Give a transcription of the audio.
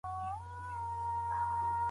د دغي کوڅې په سر کي د هیلو د پلورلو ځای نسته.